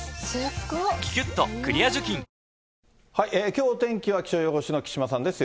きょうお天気は、気象予報士の木島さんです。